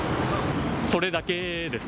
それだけですか？